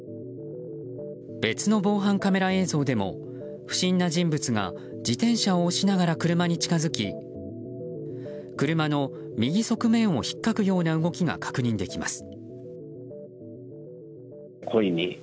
別の防犯カメラ映像でも不審な人物が自転車を押しながら車に近づき車の右側面をひっかくような動きが確認できます。